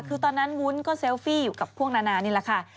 คือตอนนั้นวุ้นก็เซลฟี่อยู่กับพวกนานานี่แหละค่ะ